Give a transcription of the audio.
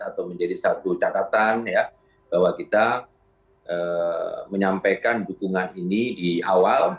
atau menjadi satu catatan ya bahwa kita menyampaikan dukungan ini di awal